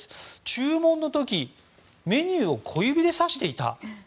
注文の時メニューを小指で指していた。